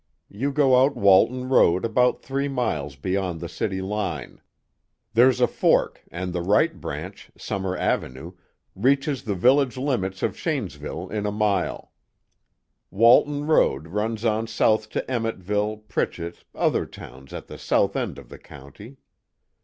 You go out Walton Road about three miles beyond the city line. There's a fork, and the right branch, Summer Avenue, reaches the village limits of Shanesville in a mile; Walton Road runs on south to Emmetville, Pritchett, other towns at the south end of the county.